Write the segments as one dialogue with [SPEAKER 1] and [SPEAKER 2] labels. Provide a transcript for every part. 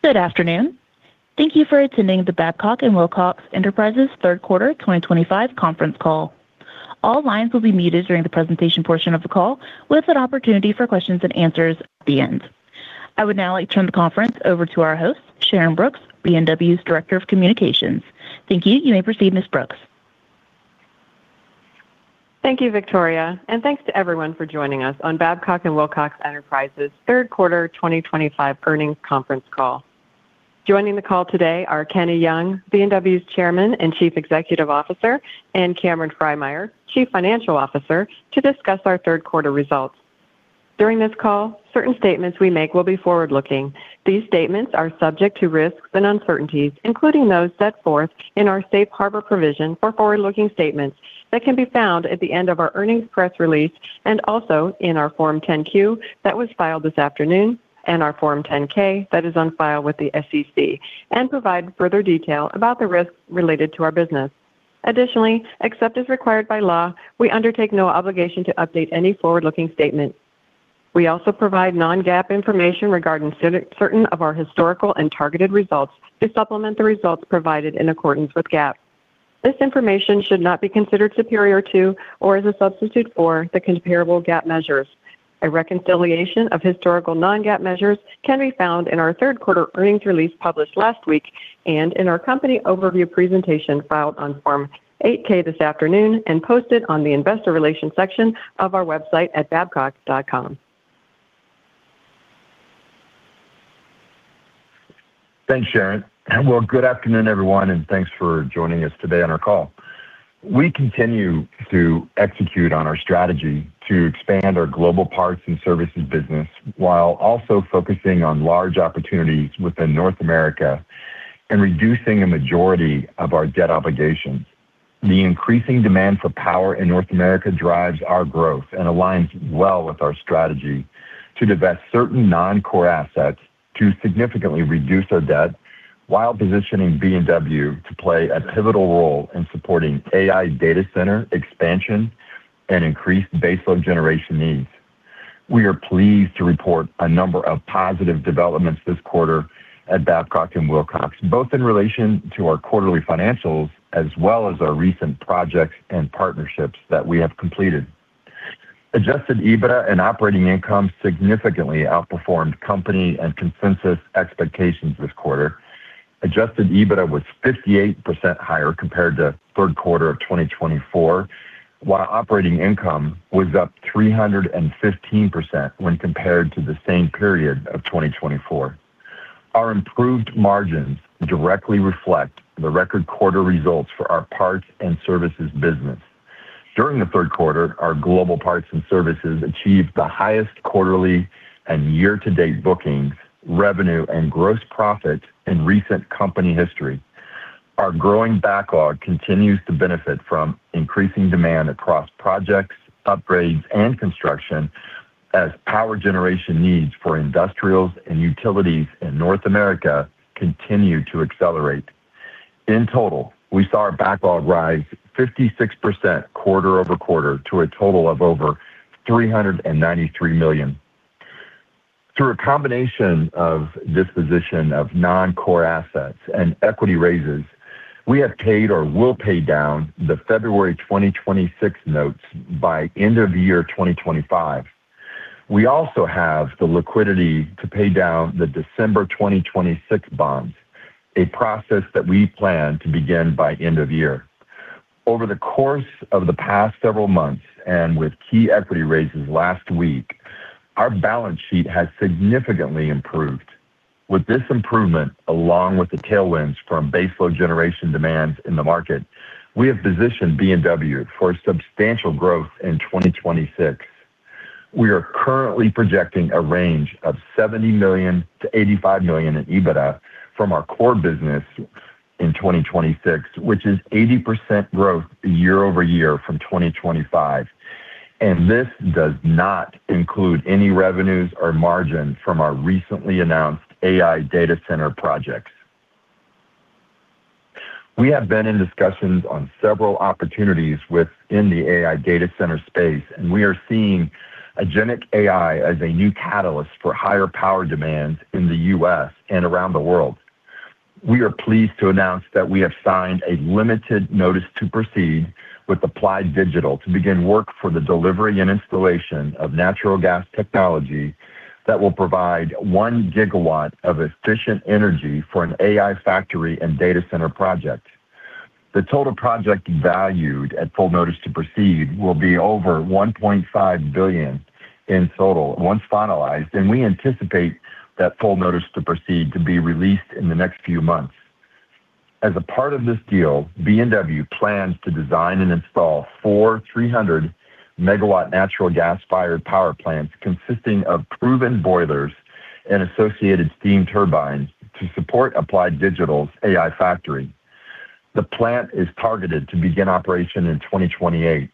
[SPEAKER 1] Good afternoon. Thank you for attending the Babcock & Wilcox Enterprises third quarter 2025 conference call. All lines will be muted during the presentation portion of the call, with an opportunity for questions and answers at the end. I would now like to turn the conference over to our host, Sharyn Brooks, B&W's Director of Communications. Thank you. You may proceed, Ms. Brooks.
[SPEAKER 2] Thank you, Victoria, and thanks to everyone for joining us on Babcock & Wilcox Enterprises third quarter 2025 earnings conference call. Joining the call today are Kenny Young, B&W's Chairman and Chief Executive Officer, and Cameron Frymyer, Chief Financial Officer, to discuss our third quarter results. During this call, certain statements we make will be forward-looking. These statements are subject to risks and uncertainties, including those set forth in our safe harbor provision for forward-looking statements that can be found at the end of our earnings press release and also in our Form 10-Q that was filed this afternoon and our Form 10-K that is on file with the SEC, and provide further detail about the risks related to our business. Additionally, except as required by law, we undertake no obligation to update any forward-looking statements. We also provide non-GAAP information regarding certain of our historical and targeted results to supplement the results provided in accordance with GAAP. This information should not be considered superior to or as a substitute for the comparable GAAP measures. A reconciliation of historical non-GAAP measures can be found in our third quarter earnings release published last week and in our company overview presentation filed on Form 8-K this afternoon and posted on the investor relations section of our website at babcock.com.
[SPEAKER 3] Thanks, Sharyn. Well, good afternoon, everyone, and thanks for joining us today on our call. We continue to execute on our strategy to expand our global parts and services business while also focusing on large opportunities within North America and reducing a majority of our debt obligations. The increasing demand for power in North America drives our growth and aligns well with our strategy to divest certain non-core assets to significantly reduce our debt while positioning B&W to play a pivotal role in supporting AI data center expansion and increased baseload generation needs. We are pleased to report a number of positive developments this quarter at Babcock & Wilcox, both in relation to our quarterly financials as well as our recent projects and partnerships that we have completed. Adjusted EBITDA and operating income significantly outperformed company and consensus expectations this quarter. Adjusted EBITDA was 58% higher compared to third quarter of 2024, while operating income was up 315% when compared to the same period of 2024. Our improved margins directly reflect the record quarter results for our parts and services business. During the third quarter, our global parts and services achieved the highest quarterly and year-to-date bookings, revenue, and gross profit in recent company history. Our growing backlog continues to benefit from increasing demand across projects, upgrades, and construction as power generation needs for industrials and utilities in North America continue to accelerate. In total, we saw our backlog rise 56% quarter over quarter to a total of over 393 million. Through a combination of disposition of non-core assets and equity raises, we have paid or will pay down the February 2026 notes by end of year 2025. We also have the liquidity to pay down the December 2026 bonds, a process that we plan to begin by end of year. Over the course of the past several months and with key equity raises last week, our balance sheet has significantly improved. With this improvement, along with the tailwinds from baseload generation demands in the market, we have positioned B&W for substantial growth in 2026. We are currently projecting a range of 70 million to 85 million in EBITDA from our core business in 2026, which is 80% growth year over year from 2025. And this does not include any revenues or margin from our recently announced AI data center projects. We have been in discussions on several opportunities within the AI data center space, and we are seeing agentic AI as a new catalyst for higher power demands in the U.S. and around the world. We are pleased to announce that we have signed a limited notice to proceed with Applied Digital to begin work for the delivery and installation of natural gas technology that will provide one gigawatt of efficient energy for an AI factory and data center project. The total project valued at full notice to proceed will be over 1.5 billion in total once finalized, and we anticipate that full notice to proceed to be released in the next few months. As a part of this deal, B&W plans to design and install four 300-megawatt natural gas-fired power plants consisting of proven boilers and associated steam turbines to support Applied Digital's AI factory. The plant is targeted to begin operation in 2028.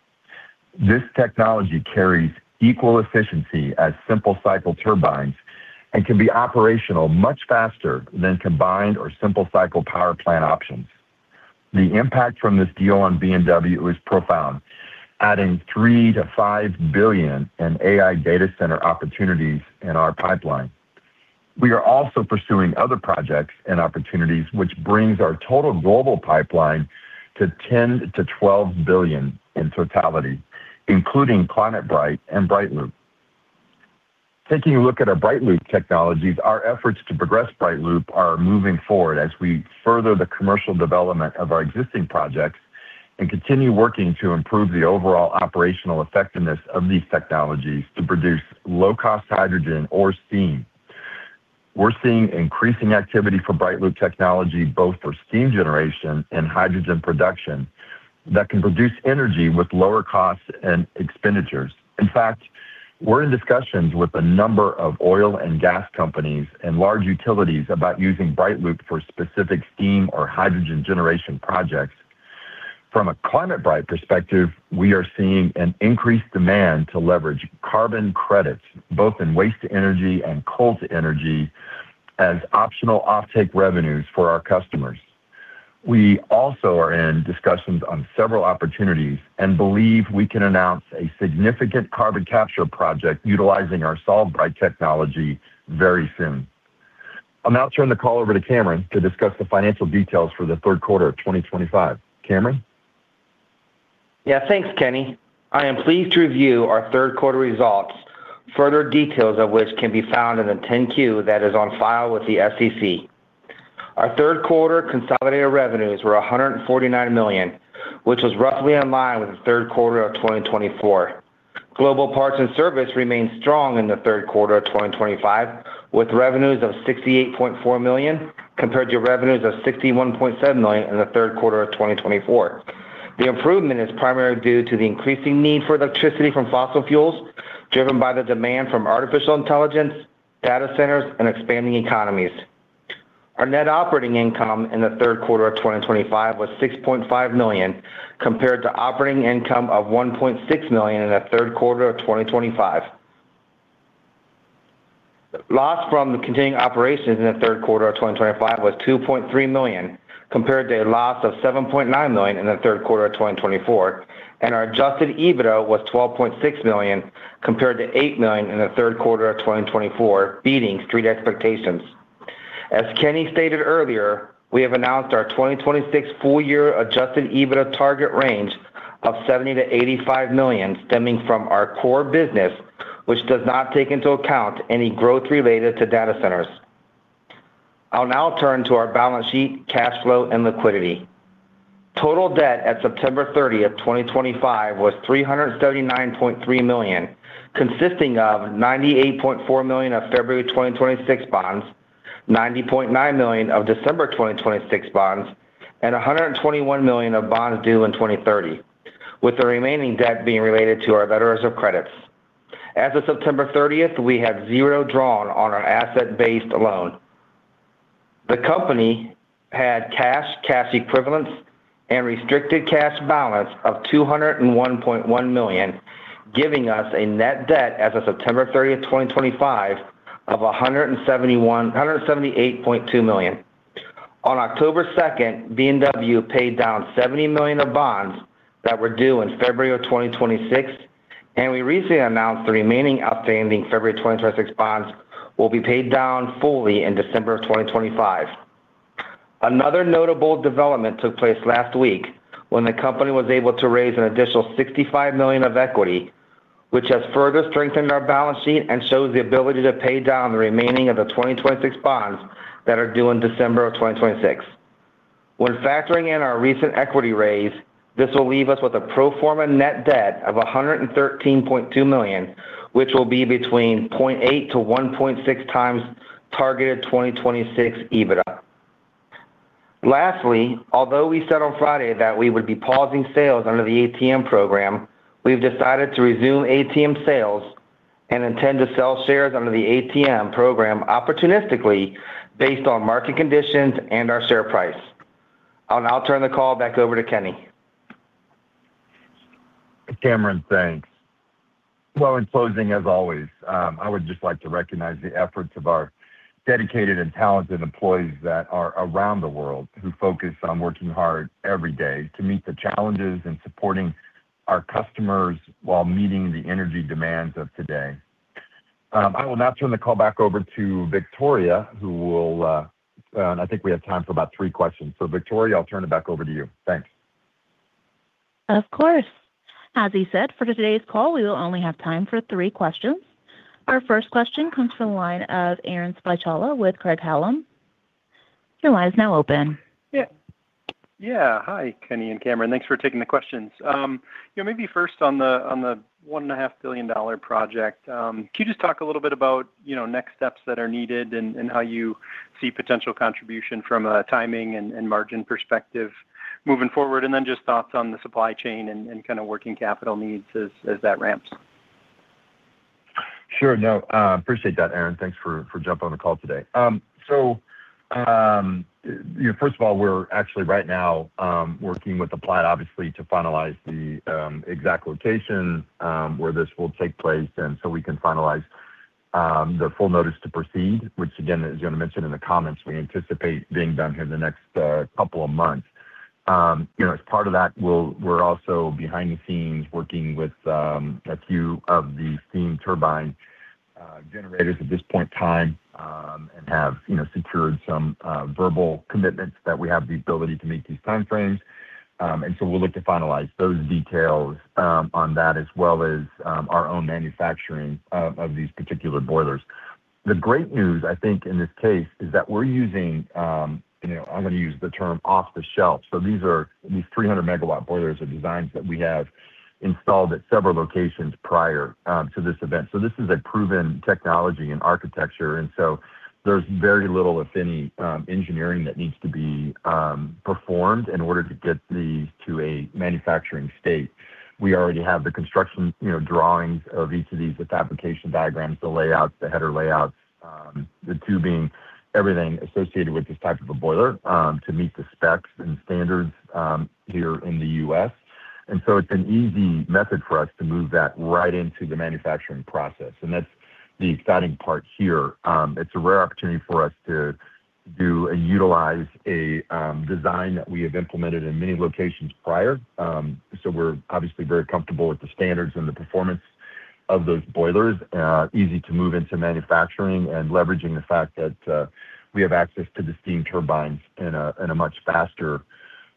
[SPEAKER 3] This technology carries equal efficiency as simple cycle turbines and can be operational much faster than combined or simple cycle power plant options. The impact from this deal on B&W is profound, adding 3-5 billion in AI data center opportunities in our pipeline. We are also pursuing other projects and opportunities, which brings our total global pipeline to 10 to 12 billion in totality, including ClimateBright and BrightLoop. Taking a look at our BrightLoop technologies, our efforts to progress BrightLoop are moving forward as we further the commercial development of our existing projects and continue working to improve the overall operational effectiveness of these technologies to produce low-cost hydrogen or steam. We're seeing increasing activity for BrightLoop technology, both for steam generation and hydrogen production, that can produce energy with lower costs and expenditures. In fact, we're in discussions with a number of oil and gas companies and large utilities about using BrightLoop for specific steam or hydrogen generation projects. From a ClimateBright perspective, we are seeing an increased demand to leverage carbon credits, both in waste to energy and coal to energy, as optional offtake revenues for our customers. We also are in discussions on several opportunities and believe we can announce a significant carbon capture project utilizing our SolveBright technology very soon. I'll now turn the call over to Cameron to discuss the financial details for the third quarter of 2025. Cameron? Yeah, thanks, Kenny. I am pleased to review our third quarter results, further details of which can be found in the 10Q that is on file with the SEC. Our third quarter consolidated revenues were 149 million, which was roughly in line with the third quarter of 2024. Global parts and service remained strong in the third quarter of 2025, with revenues of 68.4 million compared to revenues of 61.7 million in the third quarter of 2024. The improvement is primarily due to the increasing need for electricity from fossil fuels driven by the demand from artificial intelligence, data centers, and expanding economies. Our net operating income in the third quarter of 2025 was 6.5 million compared to operating income of 1.6 million in the third quarter of 2025. Loss from continuing operations in the third quarter of 2025 was 2.3 million compared to a loss of 7.9 million in the third quarter of 2024, and our Adjusted EBITDA was 12.6 million compared to 8 million in the third quarter of 2024, beating street expectations. As Kenny stated earlier, we have announced our 2026 full-year Adjusted EBITDA target range of 70-85 million stemming from our core business, which does not take into account any growth related to data centers. I'll now turn to our balance sheet, cash flow, and liquidity. Total debt at September 30th, 2025, was 379.3 million, consisting of 98.4 million of February 2026 bonds, 90.9 million of December 2026 bonds, and 121 million of bonds due in 2030, with the remaining debt being related to our letters of credits. As of September 30th, we had zero drawn on our asset-based loan. The company had cash, cash equivalents, and restricted cash balance of 201.1 million, giving us a net debt as of September 30th, 2025, of 178.2 million. On October 2nd, B&W paid down 70 million of bonds that were due in February of 2026, and we recently announced the remaining outstanding February 2026 bonds will be paid down fully in December of 2025. Another notable development took place last week when the company was able to raise an additional 65 million of equity, which has further strengthened our balance sheet and shows the ability to pay down the remaining of the 2026 bonds that are due in December of 2026. When factoring in our recent equity raise, this will leave us with a pro forma net debt of 113.2 million, which will be between 0.8 to 1.6 times targeted 2026 EBITDA. Lastly, although we said on Friday that we would be pausing sales under the ATM program, we've decided to resume ATM sales and intend to sell shares under the ATM program opportunistically based on market conditions and our share price. I'll now turn the call back over to Kenny. Cameron, thanks. Well, in closing, as always, I would just like to recognize the efforts of our dedicated and talented employees that are around the world who focus on working hard every day to meet the challenges and supporting our customers while meeting the energy demands of today. I will now turn the call back over to Victoria, who will, and I think we have time for about three questions. So, Victoria, I'll turn it back over to you. Thanks.
[SPEAKER 1] Of course. As he said, for today's call, we will only have time for three questions. Our first question comes from the line of Aaron Spychalla with Craig-Hallum. Your line is now open.
[SPEAKER 4] Yeah. Yeah. Hi, Kenny and Cameron. Thanks for taking the questions. Maybe first on the $1.5 billion project, can you just talk a little bit about next steps that are needed and how you see potential contribution from a timing and margin perspective moving forward? And then just thoughts on the supply chain and kind of working capital needs as that ramps.
[SPEAKER 3] Sure. No, appreciate that, Aaron. Thanks for jumping on the call today. So, first of all, we're actually right now working with Applied, obviously, to finalize the exact location where this will take place and so we can finalize the full notice to proceed, which, again, as you mentioned in the comments, we anticipate being done here in the next couple of months. As part of that, we're also behind the scenes working with a few of the steam turbine generators at this point in time and have secured some verbal commitments that we have the ability to meet these timeframes. And so we'll look to finalize those details on that as well as our own manufacturing of these particular boilers. The great news, I think, in this case is that we're using, I'm going to use the term off-the-shelf. So these 300 MW boilers are designs that we have installed at several locations prior to this event. So this is a proven technology and architecture, and so there's very little, if any, engineering that needs to be performed in order to get these to a manufacturing state. We already have the construction drawings of each of these, the fabrication diagrams, the layouts, the header layouts, the tubing, everything associated with this type of a boiler to meet the specs and standards here in the U.S. And so it's an easy method for us to move that right into the manufacturing process. And that's the exciting part here. It's a rare opportunity for us to do and utilize a design that we have implemented in many locations prior. So we're obviously very comfortable with the standards and the performance of those boilers, easy to move into manufacturing, and leveraging the fact that we have access to the steam turbines in a much faster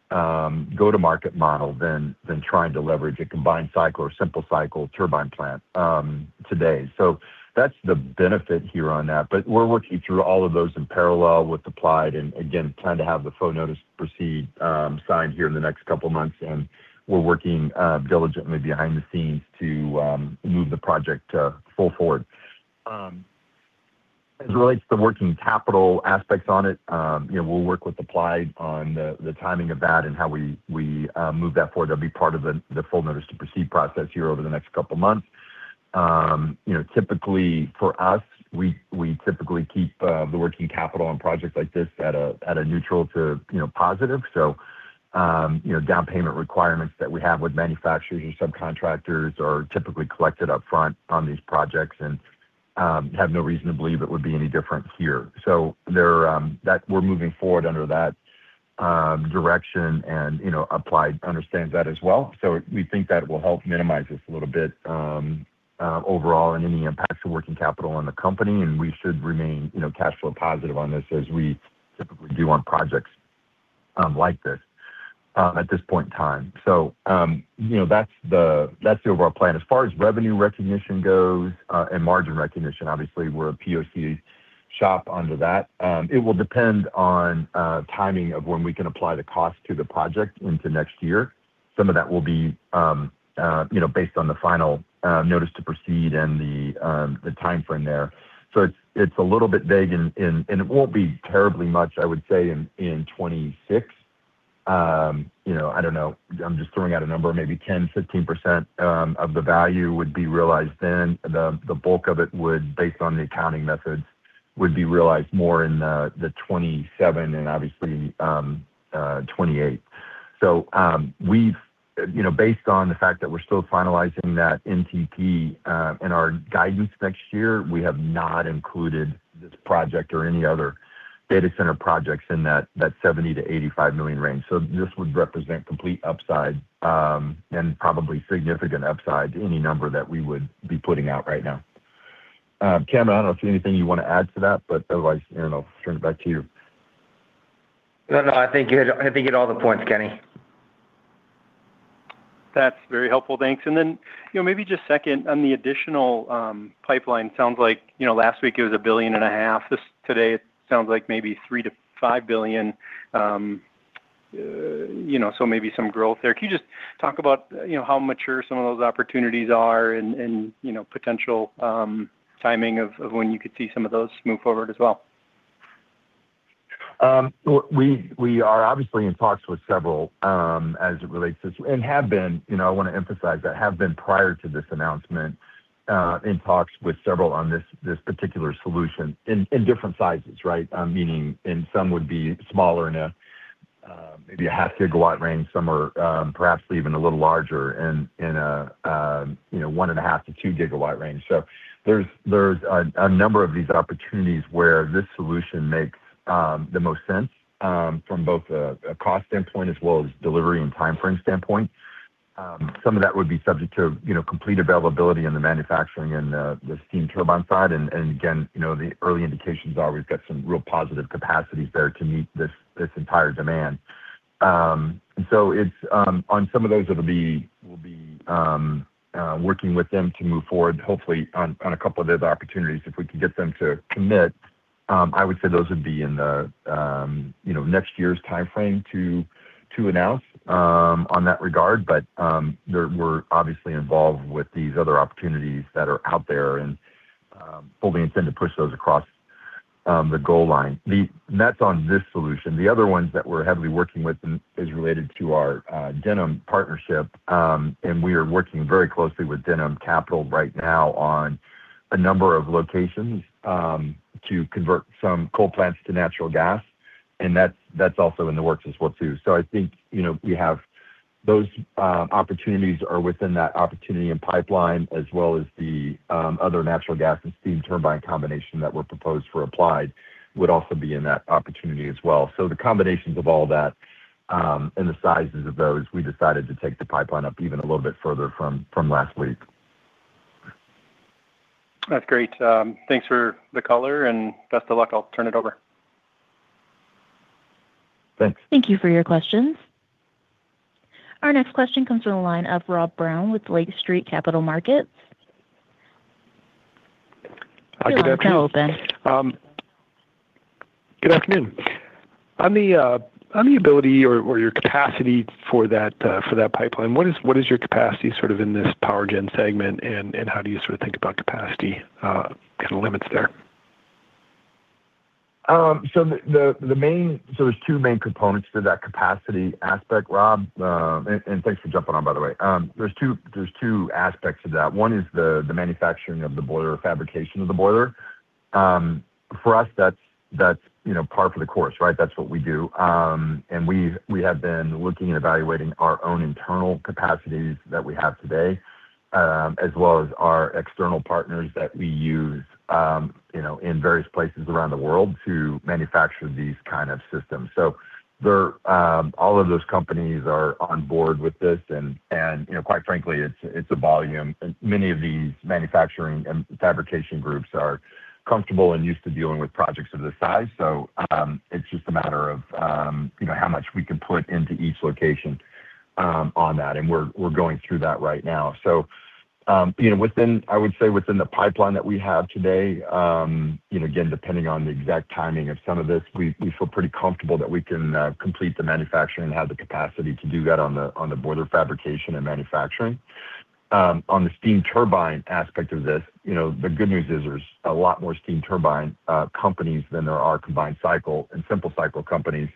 [SPEAKER 3] go-to-market model than trying to leverage a combined cycle or simple cycle turbine plant today. So that's the benefit here on that. But we're working through all of those in parallel with Applied and, again, plan to have the full notice to proceed signed here in the next couple of months. And we're working diligently behind the scenes to move the project full forward. As it relates to the working capital aspects on it, we'll work with Applied on the timing of that and how we move that forward. That'll be part of the full notice to proceed process here over the next couple of months. Typically, for us, we typically keep the working capital on projects like this at a neutral to positive. So down payment requirements that we have with manufacturers or subcontractors are typically collected upfront on these projects and have no reason to believe it would be any different here. So we're moving forward under that direction, and Applied understands that as well. So we think that will help minimize this a little bit overall and any impacts of working capital on the company. And we should remain cash flow positive on this as we typically do on projects like this at this point in time. So that's the overall plan. As far as revenue recognition goes and margin recognition, obviously, we're a POC shop under that. It will depend on timing of when we can apply the cost to the project into next year. Some of that will be based on the final notice to proceed and the timeframe there. So it's a little bit vague, and it won't be terribly much, I would say, in 2026. I don't know. I'm just throwing out a number. Maybe 10% 15% of the value would be realized then. The bulk of it, based on the accounting methods, would be realized more in the 2027 and obviously 2028. So based on the fact that we're still finalizing that NTP and our guidance next year, we have not included this project or any other data center projects in that 70 million-85 million range. So this would represent complete upside and probably significant upside to any number that we would be putting out right now. Cameron, I don't know if there's anything you want to add to that, but otherwise, I don't know. I'll turn it back to you.
[SPEAKER 5] No, no. I think you hit all the points, Kenny.
[SPEAKER 4] That's very helpful. Thanks. And then maybe just second on the additional pipeline, it sounds like last week it was a billion and a half. Today, it sounds like maybe 3 billion-5 billion. So maybe some growth there. Can you just talk about how mature some of those opportunities are and potential timing of when you could see some of those move forward as well?
[SPEAKER 3] We are obviously in talks with several as it relates to this and have been. I want to emphasize that have been prior to this announcement in talks with several on this particular solution in different sizes, right? Meaning some would be smaller in a maybe a half-gigawatt range, some are perhaps even a little larger in a one and a half to two-gigawatt range. So there's a number of these opportunities where this solution makes the most sense from both a cost standpoint as well as delivery and timeframe standpoint. Some of that would be subject to complete availability in the manufacturing and the steam turbine side. And again, the early indications are we've got some real positive capacities there to meet this entire demand. And so on some of those, it'll be working with them to move forward, hopefully, on a couple of the other opportunities. If we can get them to commit, I would say those would be in the next year's timeframe to announce on that regard. But we're obviously involved with these other opportunities that are out there and fully intend to push those across the goal line. That's on this solution. The other ones that we're heavily working with is related to our Denham partnership. And we are working very closely with Denham Capital right now on a number of locations to convert some coal plants to natural gas. And that's also in the works as well too. So I think we have those opportunities are within that opportunity and pipeline as well as the other natural gas and steam turbine combination that were proposed for Applied would also be in that opportunity as well. So the combinations of all that and the sizes of those, we decided to take the pipeline up even a little bit further from last week.
[SPEAKER 4] That's great. Thanks for the color. And best of luck. I'll turn it over.
[SPEAKER 3] Thanks.
[SPEAKER 1] Thank you for your questions. Our next question comes from the line of Rob Brown with Lake Street Capital Markets.
[SPEAKER 6] Hi, good afternoon.
[SPEAKER 1] How are you doing, Colonel?
[SPEAKER 6] Good afternoon. On the ability or your capacity for that pipeline, what is your capacity sort of in this power gen segment, and how do you sort of think about capacity kind of limits there?
[SPEAKER 3] So there's two main components to that capacity aspect, Rob. And thanks for jumping on, by the way. There's two aspects to that. One is the manufacturing of the boiler or fabrication of the boiler. For us, that's par for the course, right? That's what we do. And we have been looking and evaluating our own internal capacities that we have today as well as our external partners that we use in various places around the world to manufacture these kinds of systems. So all of those companies are on board with this. And quite frankly, it's a volume. Many of these manufacturing and fabrication groups are comfortable and used to dealing with projects of this size. So it's just a matter of how much we can put into each location on that. And we're going through that right now. So I would say within the pipeline that we have today, again, depending on the exact timing of some of this, we feel pretty comfortable that we can complete the manufacturing and have the capacity to do that on the boiler fabrication and manufacturing. On the steam turbine aspect of this, the good news is there's a lot more steam turbine companies than there are combined cycle and simple cycle companies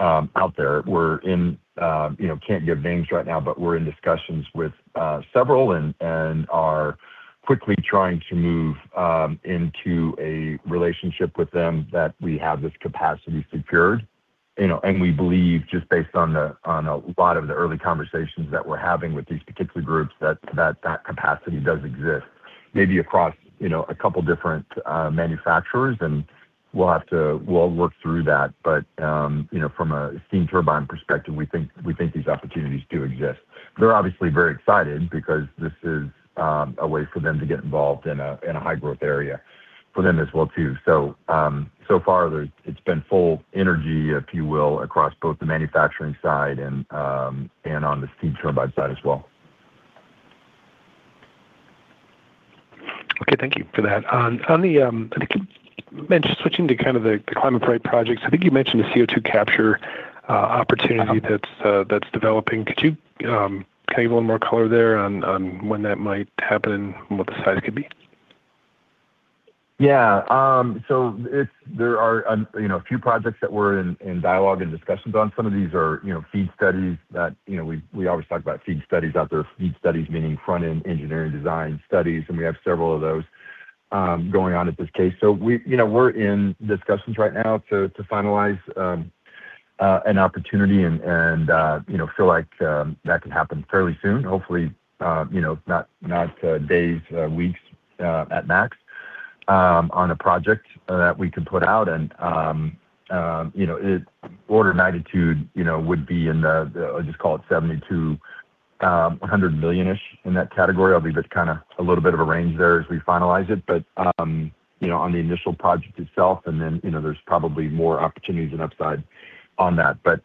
[SPEAKER 3] out there. We can't give names right now, but we're in discussions with several and are quickly trying to move into a relationship with them that we have this capacity secured. And we believe, just based on a lot of the early conversations that we're having with these particular groups, that that capacity does exist, maybe across a couple of different manufacturers. And we'll work through that. But from a steam turbine perspective, we think these opportunities do exist. They're obviously very excited because this is a way for them to get involved in a high-growth area for them as well too. So far, it's been full energy, if you will, across both the manufacturing side and on the steam turbine side as well.
[SPEAKER 6] Okay. Thank you for that. On the switching to kind of the climate right projects, I think you mentioned the CO2 capture opportunity that's developing. Can you give a little more color there on when that might happen and what the size could be?
[SPEAKER 3] Yeah. So there are a few projects that we're in dialogue and discussions on. Some of these are feed studies that we always talk about feed studies out there. Feed studies, meaning front-end engineering design studies. And we have several of those going on at this case. So we're in discussions right now to finalize an opportunity and feel like that can happen fairly soon, hopefully not days, weeks at max on a project that we can put out. And order of magnitude would be in the, I'll just call it 70 million-100 million-ish in that category. I'll leave it kind of a little bit of a range there as we finalize it. But on the initial project itself, and then there's probably more opportunities and upside on that. But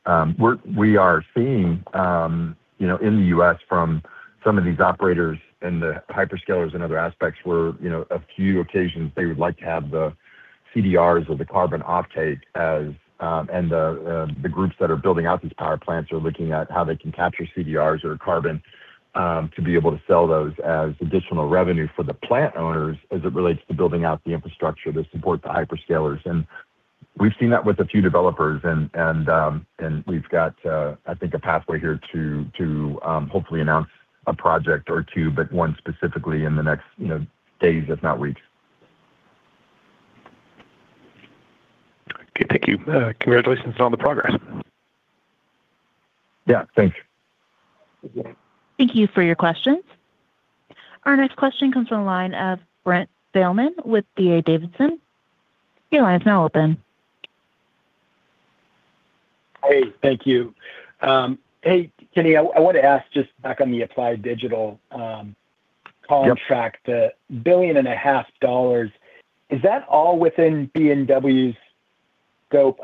[SPEAKER 3] we are seeing in the U.S. from some of these operators and the hyperscalers and other aspects, where a few occasions they would like to have the CDRs or the carbon offtake as and the groups that are building out these power plants are looking at how they can capture CDRs or carbon to be able to sell those as additional revenue for the plant owners as it relates to building out the infrastructure to support the hyperscalers. And we've seen that with a few developers. And we've got, I think, a pathway here to hopefully announce a project or two, but one specifically in the next days, if not weeks.
[SPEAKER 4] Okay. Thank you. Congratulations on the progress.
[SPEAKER 3] Yeah. Thanks.
[SPEAKER 1] Thank you for your questions. Our next question comes from the line of Brent Thaleman with BA Davidson. Your line is now open.
[SPEAKER 7] Hey. Thank you. Hey, Kenny, I want to ask just back on the Applied Digital contract, the billion and a half dollars, is that all within B&W's scope?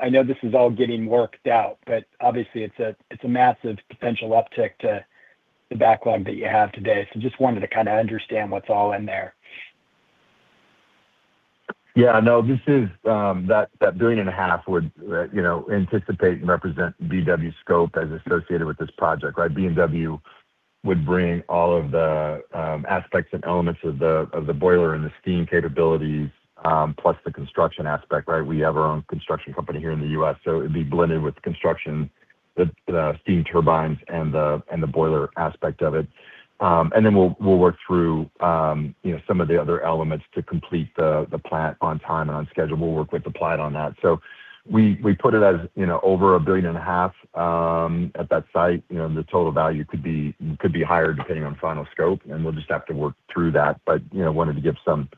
[SPEAKER 7] I know this is all getting worked out, but obviously, it's a massive potential uptick to the backlog that you have today. So just wanted to kind of understand what's all in there.
[SPEAKER 3] Yeah. No, that billion and a half would anticipate and represent B&W's scope as associated with this project, right? B&W would bring all of the aspects and elements of the boiler and the steam capabilities, plus the construction aspect, right? We have our own construction company here in the U.S. So it'd be blended with construction, the steam turbines, and the boiler aspect of it. And then we'll work through some of the other elements to complete the plant on time and on schedule. We'll work with Applied on that. So we put it as over a billion and a half at that site. The total value could be higher depending on final scope. And we'll just have to work through that. But wanted to give some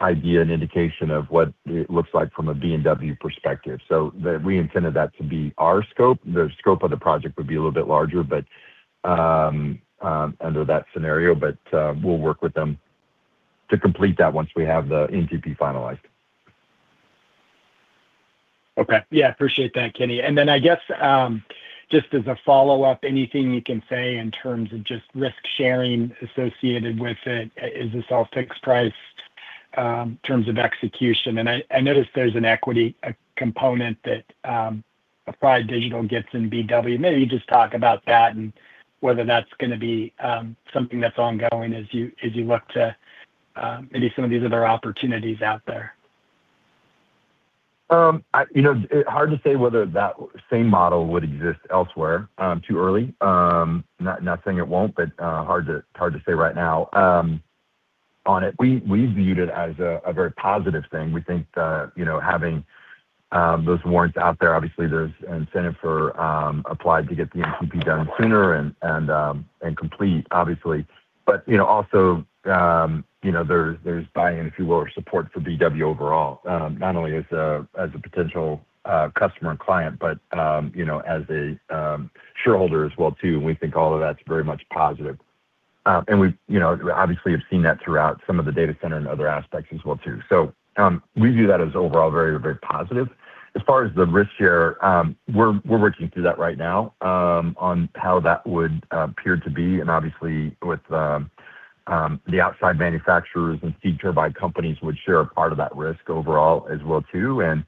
[SPEAKER 3] idea and indication of what it looks like from a B&W perspective. So we intended that to be our scope. The scope of the project would be a little bit larger under that scenario. But we'll work with them to complete that once we have the NTP finalized.
[SPEAKER 7] Okay. Yeah. Appreciate that, Kenny. And then I guess just as a follow-up, anything you can say in terms of just risk sharing associated with it? Is this all fixed price in terms of execution? And I noticed there's an equity component that Applied Digital gets in BW. Maybe you just talk about that and whether that's going to be something that's ongoing as you look to maybe some of these other opportunities out there.
[SPEAKER 3] Hard to say whether that same model would exist elsewhere too early. Not saying it won't, but hard to say right now on it. We viewed it as a very positive thing. We think having those warrants out there, obviously, there's incentive for Applied to get the NTP done sooner and complete, obviously. But also there's buy-in, if you will, or support for BW overall, not only as a potential customer and client, but as a shareholder as well too. We think all of that's very much positive. And we obviously have seen that throughout some of the data center and other aspects as well too. So we view that as overall very, very positive. As far as the risk share, we're working through that right now on how that would appear to be. And obviously, with the outside manufacturers and steam turbine companies would share a part of that risk overall as well too. And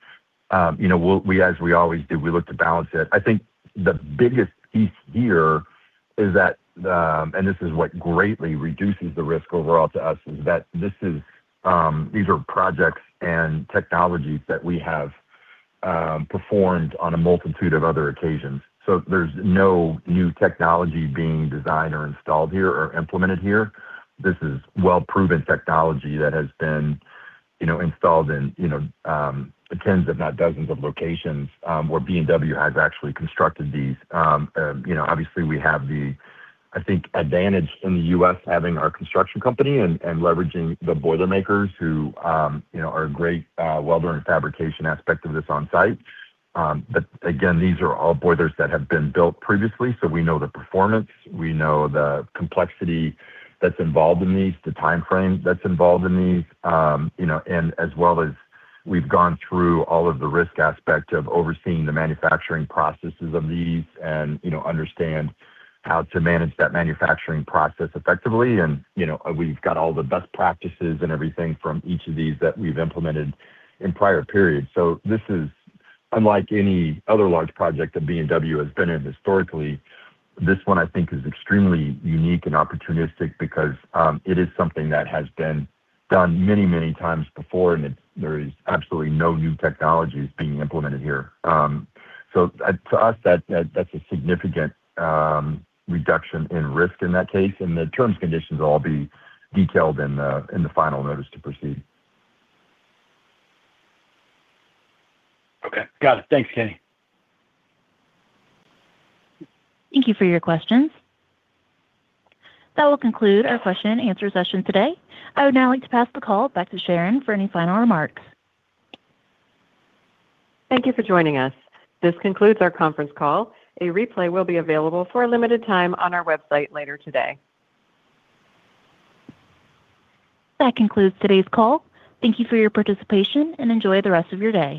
[SPEAKER 3] as we always do, we look to balance it. I think the biggest piece here is that, and this is what greatly reduces the risk overall to us, is that these are projects and technologies that we have performed on a multitude of other occasions. So there's no new technology being designed or installed here or implemented here. This is well-proven technology that has been installed in tens, if not dozens, of locations where B&W has actually constructed these. Obviously, we have the, I think, advantage in the U.S. having our construction company and leveraging the boilermakers who are a great welder and fabrication aspect of this on-site. But again, these are all boilers that have been built previously. So we know the performance. We know the complexity that's involved in these, the timeframe that's involved in these, and as well as we've gone through all of the risk aspect of overseeing the manufacturing processes of these and understand how to manage that manufacturing process effectively. And we've got all the best practices and everything from each of these that we've implemented in prior periods. So this is unlike any other large project that B&W has been in historically. This one, I think, is extremely unique and opportunistic because it is something that has been done many, many times before, and there is absolutely no new technology being implemented here. So to us, that's a significant reduction in risk in that case. And the terms and conditions will all be detailed in the final notice to proceed.
[SPEAKER 7] Okay. Got it. Thanks, Kenny.
[SPEAKER 1] Thank you for your questions. That will conclude our question and answer session today. I would now like to pass the call back to Sharon for any final remarks.
[SPEAKER 2] Thank you for joining us. This concludes our conference call. A replay will be available for a limited time on our website later today.
[SPEAKER 1] That concludes today's call. Thank you for your participation and enjoy the rest of your day.